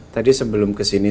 tadi sebelum kesini